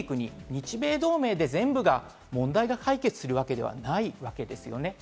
日米同盟で全部が、問題が解決するわけではないわけですよね。